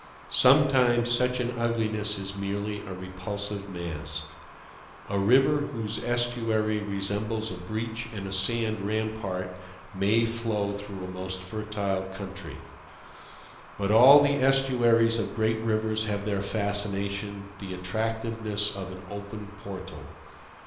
Sometimes such an ugliness is merely a repulsive mask. A river whose estuary resembles a breach in a sand rampart may flow through a most fertile country. But all the estuaries of great rivers have their fascination, the attractiveness of an open portal.